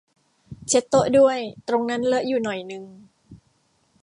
เช็ดโต๊ะด้วย ตรงนั้นเลอะอยู่หน่อยนึง